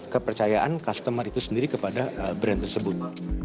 kepercayaan customer itu sendiri kepada brand tersebut